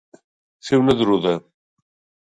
Ser una druda.